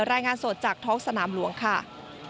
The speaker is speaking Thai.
รายงานสดจากท้องสนามหลวงค่ะ